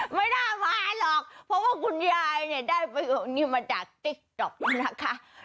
ไม่น่ามาหรอกเพราะว่าคุณยายเนี่ยได้ประโยชน์นี้มาจากติ๊กต๊อกนะคะ